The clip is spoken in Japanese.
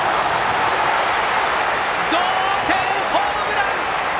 同点ホームラン！